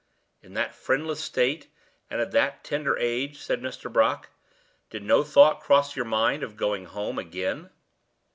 "In that friendless state, and at that tender age," said Mr. Brock, "did no thought cross your mind of going home again?"